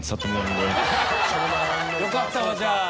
よかったわじゃあ。